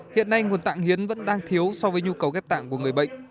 hiện nay nguồn tạng hiến vẫn đang thiếu so với nhu cầu ghép tạng của người bệnh